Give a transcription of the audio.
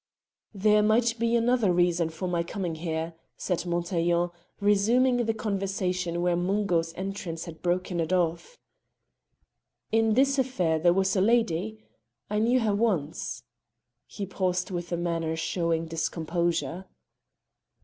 "There might be another reason for my coming here," said Montaiglon, resuming the conversation where Mungo's entrance had broken it off. "In this affair there was a lady. I knew her once." He paused with a manner showing discomposure.